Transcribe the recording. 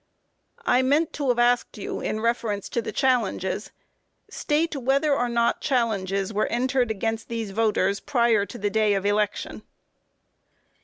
I meant to have asked you in reference to the challenges; state whether or not challenges were entered against these voters prior to the day of election?